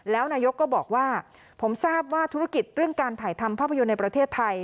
แล้วนายกก็บอกว่าผมทราบว่าธุรกิจเรื่องการถ่ายทำภาพยนตร์ในประเทศไทย